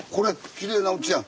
きれいなうちやん。